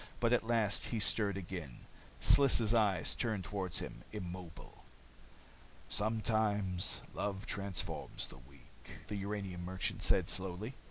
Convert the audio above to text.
But at last he stirred again. Sliss' eyes turned toward him, immobile. "Sometimes love transforms the weak," the uranium merchant said slowly.